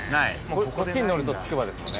こっちに乗るとつくばですもんね。